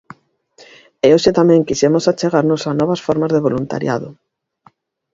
E hoxe tamén quixemos achegarnos a novas formas de voluntariado.